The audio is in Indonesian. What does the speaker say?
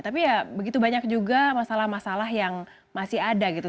tapi ya begitu banyak juga masalah masalah yang masih ada gitu